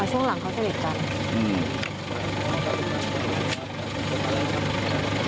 อ่าช่วงหลังเขาสนิทกันอืม